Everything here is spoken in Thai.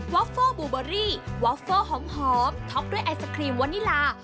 อฟเฟอร์บูเบอรี่วอฟเฟอร์หอมท็อปด้วยไอศครีมวานิลา